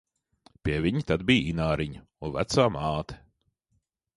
Pie viņa tad bija Ināriņa un vecā māte.